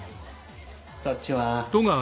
そっちは？